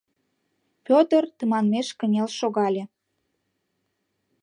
— Петр тыманмеш кынел шогале.